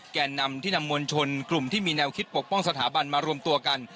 แก่นำที่นำมวลชนกลุ่มที่มีแนวคิดปกป้องสถาบันมารวมตัวกัน